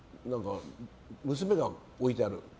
娘が置いてある。